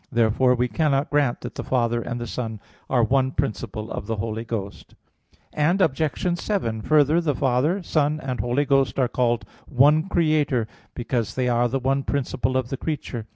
Therefore we cannot grant that the Father and the Son are one principle of the Holy Ghost. Obj. 7: Further, the Father, Son and Holy Ghost are called one Creator, because they are the one principle of the creature.